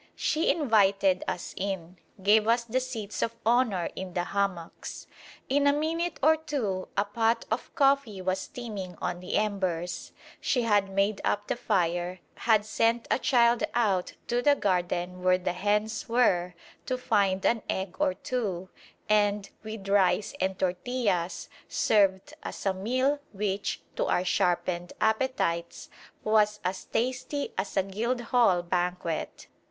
She invited us in, gave us the seats of honour in the hammocks. In a minute or two a pot of coffee was steaming on the embers, she had made up the fire, had sent a child out to the garden where the hens were to find an egg or two, and with rice and tortillas served us a meal which, to our sharpened appetites, was as tasty as a Guildhall banquet.